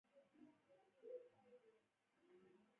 د مظلوم مرسته له ظلم نه ژغورل دي.